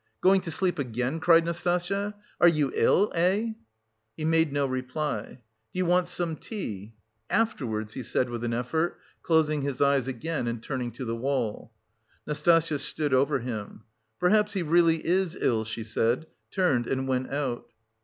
"Going to sleep again," cried Nastasya. "Are you ill, eh?" He made no reply. "Do you want some tea?" "Afterwards," he said with an effort, closing his eyes again and turning to the wall. Nastasya stood over him. "Perhaps he really is ill," she said, turned and went out.